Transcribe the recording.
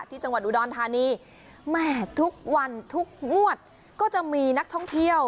ที่จังหวัดอุดรธานีแหมทุกวันทุกงวดก็จะมีนักท่องเที่ยว